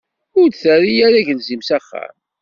Ur d-terri ara agelzim s axxam.